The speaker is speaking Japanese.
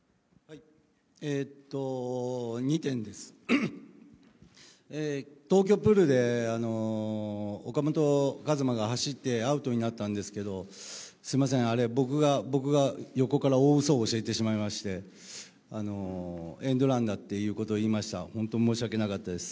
２点です、東京プールで岡本和真が走ってアウトになったんですけど、すいません、あれ僕が横から大うそを教えてしまいましてエンドランだということを言いました、本当、申し訳なかったです。